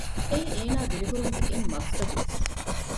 އެއީ އޭނާ ދިރިހުރުމުގެ އެއް މަޤުޞަދުވެސް